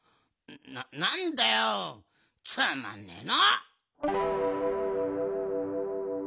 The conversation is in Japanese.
なんだよつまんねえな。